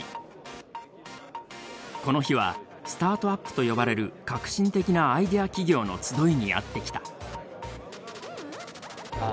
この日はスタートアップと呼ばれる革新的なアイデア企業の集いにやって来た。